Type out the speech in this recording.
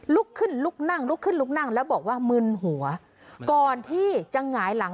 ลุกขึ้นลุกนั่งลุกขึ้นลุกนั่งแล้วบอกว่ามึนหัวก่อนที่จะหงายหลัง